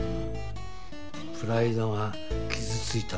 プライドが傷ついたって事か。